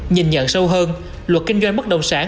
nhận sâu hơn luật kinh doanh bất động sản